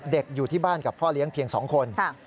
อยู่ที่บ้านกับพ่อเลี้ยงเพียง๒คน